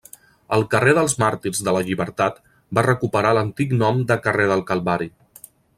El carrer dels Màrtirs de la Llibertat va recuperar l'antic nom de carrer del Calvari.